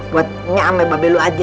buat nyampe babi lu aja